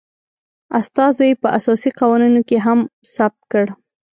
استازو یي په اساسي قوانینو کې هم ثبت کړ